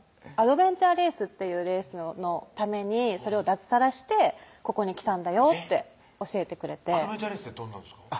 アドベンチャーレースっていうレースのためにそれを脱サラしてここに来たんだよ」と教えてくれてアドベンチャーレースってどんなんですか？